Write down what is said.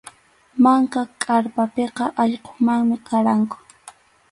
Manka kʼarpapiqa allqumanmi qaranku.